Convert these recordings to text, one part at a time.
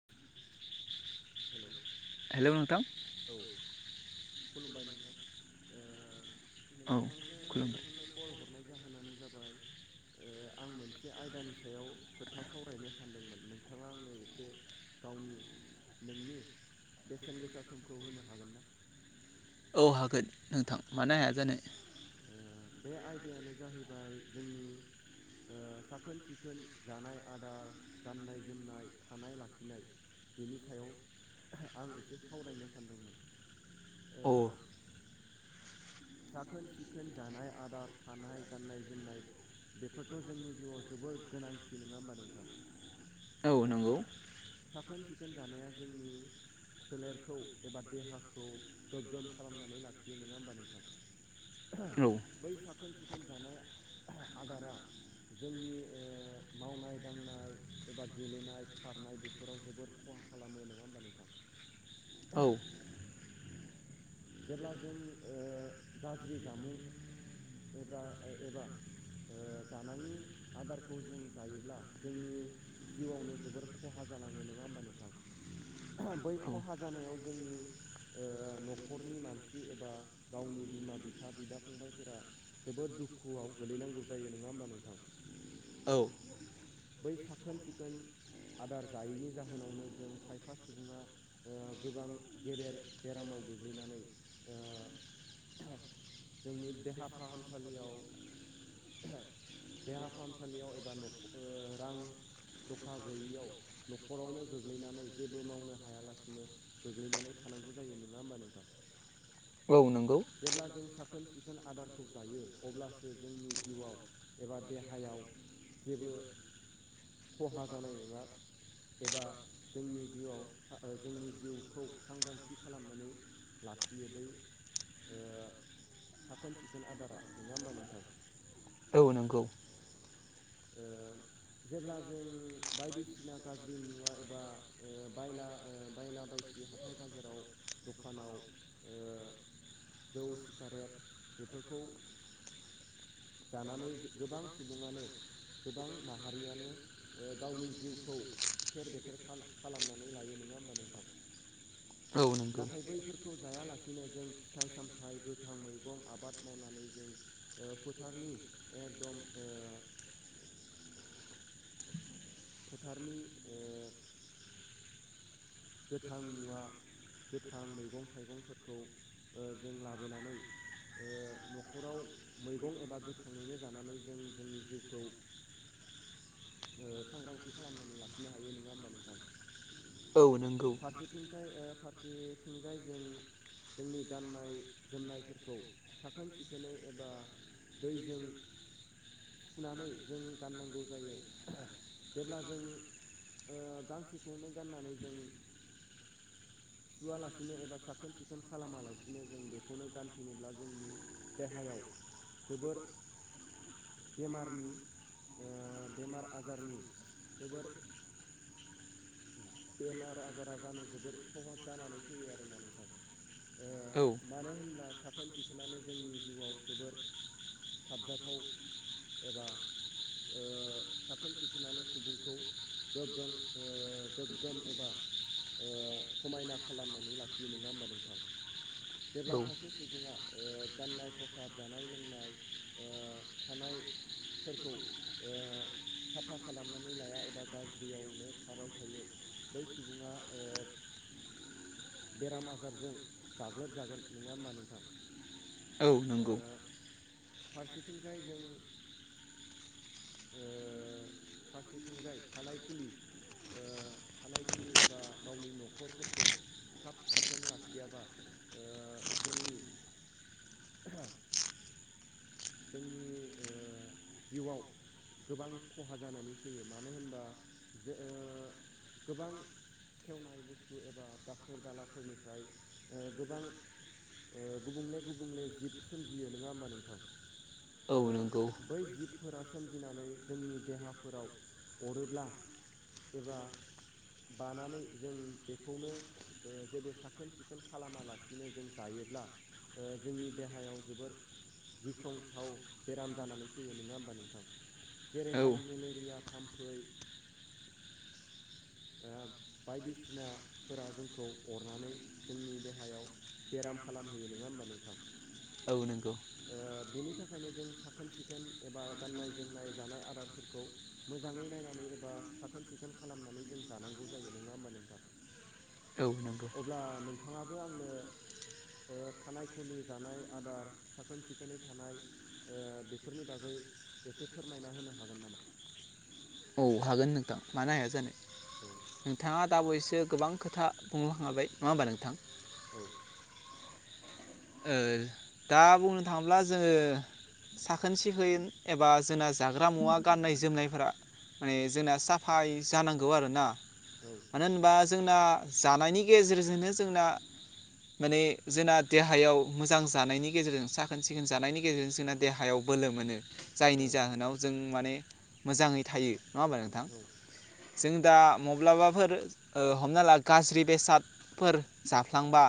म [inaudible] हेल' हेल' नोंथां। औ खुलुमबाय नोंथां ओ औ नोंथांजों खुलुमबाय नोंथांनो कल हरनाय जाहोनानो जाबाय ओ आं मोनसे आयदानि सायाव खोथा सावरायनो सानदोंमोन नोंथाङा आंनो एसे गावनि नोंनि बेसेन गोसा समखौ होनो हागोन ना? औ हागोन नोंथां मानो हाया जानो। ओ बे आयदायानो जाहैबाय जोंनि ओ साखोन सिखोन जानाय आदार गाननाय जोमनाय थानाय लाखिनाय बेनि सायाव आं एसे सावरायनो सानदोंमोन। औ ओ साखोन सिखोन जानाय आदार थानाय गाननाय जोमनाय बेफोरथ' जोंनि जिउआव जोबोर गोनांथि नङा होमबा नोंथां? औ नोंगौ। ओ साखोन सिखोन जानाया जोंनि सोलेरखौ एबा देहाखौ गोग्गोम खालामनानै लाखियो नङा होमबा नोंथां? औ बै साखोन सिखोन जानाय आदारा जोंनि ओ मावनाय दांनाय एबा गेलेनाय खारनाय बेफोराव जोबोर खहा खालामो नङा होमबा नोंथां? औ जेब्ला जों ओ गाज्रि जामुं एब्ला एबा ओ जानाङि आदारखौ जों जायोब्ला जोंनि जिउआवनो जोबोर खहा जालाङो नङा होमबा नोंथां? बै खहा जानायाव जोंनि ओ नख खरनि मानसि एबा गावनि बिमा बिफा बिदा फंबायफोरा जोबोद दुखुआव गोल्लैनांगौ जायो नङा होमबा नोंथां? औ बै साखोन सिखोन आदार जायैनि जाहोनावनो जों खायफा सुबुङा ओ गोबां गेदेर बेरामाव गोग्लैनानै ओ जोंनि देहा फाहामसालियाव देहा फाहामसालियाव एबा न' ओ रां दखा गैयियाव न'खरावनो गोग्लैनानै जेबो मावनो हायालासिनो गोग्लैनानै थानांगौ जायो नङा होमबा नोंथां? औ नोंगौ। जेब्ला जों साखोन सिखोन आदारखौ जायो अब्लासो जोंनि जिउआव एबा देहायाव जेबो खहा जानाय नङा एबा जोंनि जिउआव ओ जोंनि जिउखौ सांग्रांथि खालामनानै लाखियो बै ओ साखोन सिखोन आदारा नङा होमबा नोंथां? औ नोंगौ ओ जेब्ला जों बायदिसिना गाज्रि मुवा एबा बायला बायला बायसिना सि हाथाय बाजाराव दखानाव ओ जौ सिगारेट बेफोरखौ जानानै गोबां सुबुङानो गोबां माहारियानो ओ गावनि जिउखौ थेर बेथेर खालाम खालामनानै लायो नङा होमबा नोंथां? औ नंगौ नाथाय बैफोर खौ जायालासिनो जों फिथाइ सामथाइ गोथां मैगं आबाद मावनानै जों ओ फोथारनि एकदम ओ फोथारनि ओ गोथां मुवा गोथां मैगं थाइगंफोरखौ ओ जों लाबोनानै ओ न'खराव मैगं एबा गोथाङैनो जानानै जों जोंनि जिउखौ ओ सांग्रांथि खालामनानै लाखिनो हायो नङा होमबा नोंथां? औ नोंगौ। फारसेथिंजाय ओ फारसेथिंजाय जों जोंनि गाननाय जोमनायफोरखौ साखोन सिखोनै एबा दैजों दैैजों सुनानै जों गाननांगौ जायो जेब्ला जों ओ गांसेखौनो गाननानै जों सुवालासिनो एबा साखोन सिखोन खालामालासिनो जों बेखौनो गानफिनोब्ला जोंनि देहायाव जोबोर [inaudible] बेमारनि ओ बेमार आजारनि जोबोर बेमार आजारा जानो जोबोर सहस जानानै फैयो आरोना नोंथां। ओ औ मानो होनब्ला साखोन सिखोनानो जोंनि जिउआव जोबोर साबजाथाव एबा ओ साखोन सिखोनानो सुबुंखौ गोगोम ओ गोग्गोम एबा ओ समायना खालामनानै लाखियो नङा होमबा नोंथां? औ जेब्ला नंगौ सासे सुबुङा ओ गाननाय खसाब जानाय लोंनाय ओ थानाय फोरखौ ओ साफा खालामनानै लाया एबा गाज्रियावनो थाबाय थायो। बै सुबुङा ओ बेराम आजारजों गाग्लोबजागोन नङा होमबा नोंथां। औ ओ नंगौ। फारसेथिंजाय जों फारसेथिंजाय थानाय खुलि थानाय खुलि एबा गावनि न'खरफोरखौ साब-सिखोन लाखियाबा जोंनि [unintelligible] जोंनि जिउआव गोबां खहा जानानै फैयो मानो होनबा जो गोबां सेवनाय बुस्थु एबा दाखोर-दालाफोरनिफ्राय ओ गोबां ओ गुबुंले गुबुंले जिब सोमजियो नङा होमबा नोंथां? ओ बै जिबफोरा सोमजिनानै जोंनि देहाफोराव अरोब्ला एबा बानानै जों बेखौनो ओ जेबो साखोन सिखोन खालामालासिनो जों जायोब्ला ओ जोंनि देहायाव जोबोर गिख्रं गोथाव बेराम जानानै फैयो नङा होमबा नोंथां? जेरैहाय मेलेरिया थाम्फै ओ बायदिसिनाफोरा जोंखौ अरनानै जोंनि देहायाव बेराम खालामहोयो नङा होमबा नोंथां? औ नंगौ। बेनि थाखायनो जों साखोन-सिखोन एबा गाननाय-जोमनाय जानाय आदारफोरखौ मोजाङै नायनानै एबा साखोन- सिखोन खालामनानै जों जानांगौ जायो नङा होमबा नोंथां। औ नंगौ अब्ला नों थाङाबो आंनो थानाय खुलि जानाय आदार साखोन-सिखोनै थानाय बेफोरनि बागै एसे फोरमायना होनो हागोन नामा? औ हागोन नोंथां मानो हाया जानो। औ नोंथाङा दा बावैसो गोबां खोथा बुंलां खांबाय नङा होमबा नोंथां। औ दा बुंनो थाङोब्ला जोङो साखोन-सिखोन एबा जोंना जाग्रा मुवा गाननाय-जोमनायफोरा माने जोंना साफायै जानांगौ आरोना। औ मानो होनबा जोंना जानायनि गेजेरजोंनो जोंना माने जोंना देहायाव मोजां जानायनि गेजेरजों साखोन-सिखोन जानायनि गेजेरजों जोंना देहायाव बोलो मोनो औ जायनि जाहोनाव जों माने मोजाङै थायो नङा होनबा नोंथां औ जों दा माब्लाबाफोर हमना ला गाज्रि बेसाद फोर जाफ्लांबा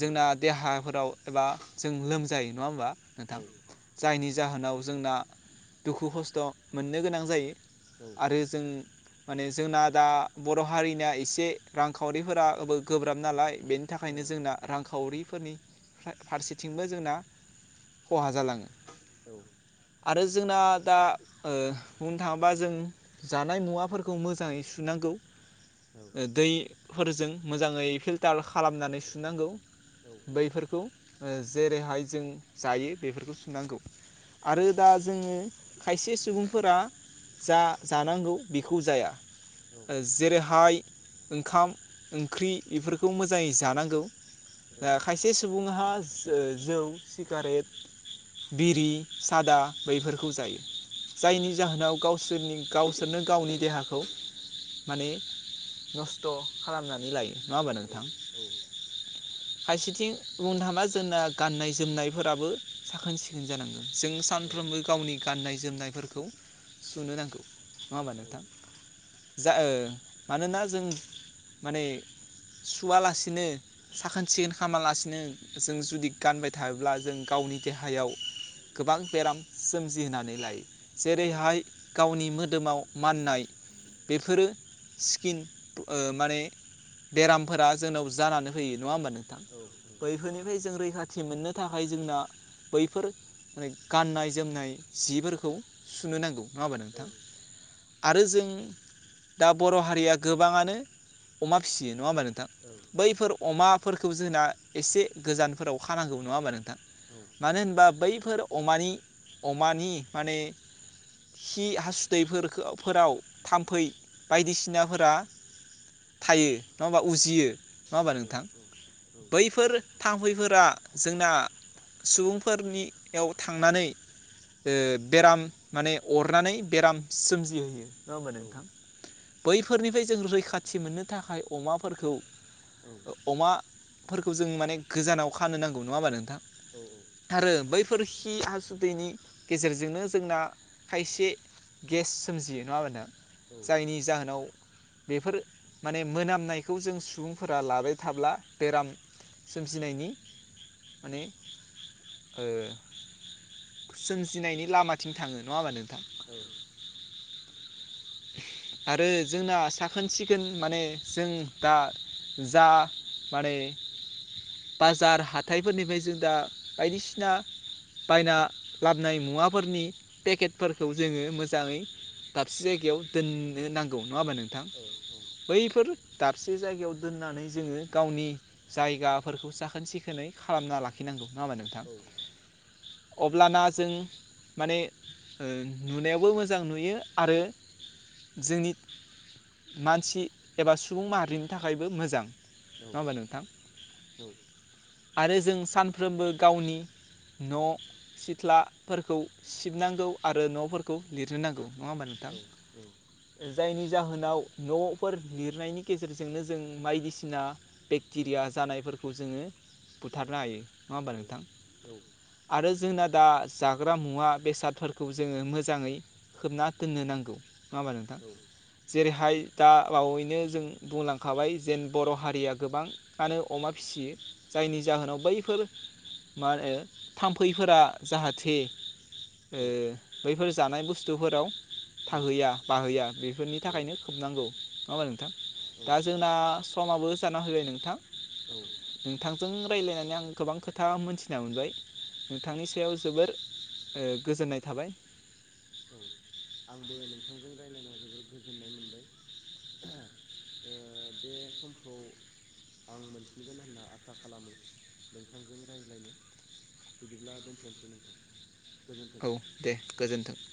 औ देहाफोराव एबा जों लोमजायो नङा होमबा औ नोंथां? जायनि जाहोनाव जोंना दुखु खस्थ' मोननो गोनां जायो। औ आरो जों माने जोंना दा बर' हारिना एसे रांखावरिफोरा गोब्राब नालाय बेनो थाखायनो जोंना रांखावरि फोरनि फारसेथिंबो जोंना खहा जालाङो। औ आरो जोंना दा बुंनो थाङोब्ला जों जानाय मुवाफोरखौ मोजाङै सुनांगौ। औ दैफोरजों मोजाङै फिल्टार खालामनानै सुनांगौ। औ बैफोरखौ जेरैहाय जों जायो बेफोरखौ सुनांगौ औ आरो दा जोङो खायसे सुबुंफोरा जा जानांगौ बेखौ जाया औ जेरैहाय ओंखाम ओंख्रि बेफोरखौ मोजाङै जानांगौ। औ खायसे सुबुंहा जो-ओ-जौ सिकारेट बिरि सादा बैफोरखौ जायो औ जायनि जाहोनाव गाव सोरनि गावसोरनो गावनि देहाखौ माने नस्थ' खालामनानै लायो। नङा औ औ खायसेथिं बुंनो थांबा जोंना गाननाय जोमनायफोराबो साखोन सिखोन जानांगोन। जों सानफ्रोमबो गावनि गाननाय जोमनायफोरखौ सुनो नांगौ। नङा होमबा नोंथां? जा ओ मानोना जों माने सुवालासिनो साखोन सिखोन खामालासिनो जों जुदि गानबाय थायोब्ला जों गावनि देहायाव गोबां बेराम सोमजिहोनानै लायो। जेरैहाय गावनि मोदोमाव माननाय बेफोरो स्किन माने बेरामफोरा जोंनाव जानानै होयो नङा होमबा नोंथां? औ-औ बैफोरनिफ्राय जों रैखाथि मोननो थाखाय जोंना बैफोर माने गाननाय-जोमनाय जिफोरखौ सुनो नांगौ नङा होमा नोंथां? आरो जों दा बर' हारिया गोबाङानो अमा फिसियो नङा होमब्ला नोंथां? औ बैफोर अमाफोरखौ जोंना एसे गोजानफोराव खानांगौ नङा होमबा नोंथां? औ मानो होनबा बैफोर अमानि अमानि माने खि हासुदैफोराव थाम्फै बायदिसिनाफोरा थायो नङा होमबा उजियो नङा होमबा औ नोंथां औ औ बैफोर थाम्फैफोरा जोंना सुबुंफोरनि याव थांनानै ओ बेराम माने अरनानै बेराम सोमजिहोयो। नङा होमा नोंथां? बैफोरनिफ्राय जों रैखाथि मोननो थाखाय अमाफोरखौ अमा फोरखौ जों माने गोजानाव खानो नांगौ नङा होमा नोंथां? आरो बै फोर खि हासुदैनि गेजेरजोंनो जोंना खायसे गेस सोमजियो नङा होमबा नोंथां? जायनि जाहोनाव बेफोर माने मोनामनायखौ जों सुबुंफोरा लाबाय थाब्ला बेराम सोमजिनायनि माने ओ सोमजिनायनि लामाथिं थाङो नङा होमबा नोंथां? औ आरो जोंना साखोन सिखोन माने जों दा जा माने बाजार हाथाइफोरनिफ्राय जों दा बायदिसिना बायना लाबनाय मुवाफोरनि पेकेटफोरखौ जोङो मोजाङै दाबसे जायगायाव दोन नो नांगौ नङा होमबा नोंथां? बैफोर दाबसे जायगायाव दोननानै जोङो गावनि जायगा फोरखौ साखोन सिखोनै खालामना लाखिनांगौ नङा होमब नोंथां? अब्लाना जों माने ओ नुनायावबो मोजां नुयो आरो जोंनि मानसि एबा सुबुं माहारिनि थाखायबो मोजां। औ नङा होमबा नोंथां? आरो जों सानफ्रोमबो गावनि न' सिथ्लाफोरखौ सिबनांगौ आरो न'फोरखौ लिरहो नांगौ नङा होमबा नोंथां? औ औ जायनि जाहोनाव न'फोर लिरनायनि गेजेरजोंनो जों बायदिसिना बेक्टेरिया जानायफोरखौ जोङो बुथारनो हायो नङा होमबा नोंथां? आरो जोंना दा जाग्रा मुवा बेसादफोरखौ जोङो मोजाङै खोबना दोननो नांगौ नङा होमबा नोंथां! जेरैहाय दा बावैनो जों बुंलांखाबाय जेन बर' हारिया गोबां आनो अमा फिसियो जायनि जाहोनाव बैफोर मा होनो थाम्फैफोरा जाहाथे ओ बैफोर जानाय बुस्थुफोराव थाहोया बाहोया बेफोरनि थाखायनो खोबनांगौ नङा होन नोंथां दा जों ना समाबो जाना फैबाय नोंथां! औ नोंथांजों रायज्लायनानै आं गोबां खोथा मोनथिना मोनबाय नोंथांनि सायाव जोबोर ओ गोजोननाय थाबाय। औ आंबो नोंथांजों रायलायना जोबोर गोजोननाय मोनबाय। ओ बे समखौ आं मोनफिनगोन होनना आसा खालामो नोंथांजों रायज्लायनो। बिदिब्ला दोनथ'नोसै नोंथां गोजोन्थों। औ दे गोजोन्थों औ।